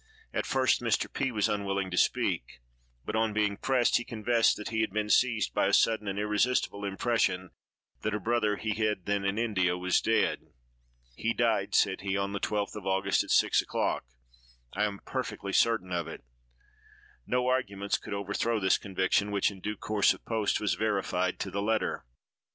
At first Mr. P—— was unwilling to speak, but on being pressed, he confessed that he had been seized by a sudden and irresistible impression that a brother he had then in India was dead. "He died," said he, "on the 12th of August, at six o'clock; I am perfectly certain of it!" No arguments could overthrow this conviction, which, in due course of post, was verified to the letter.